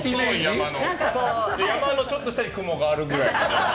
山のちょっと下に雲があるくらいの。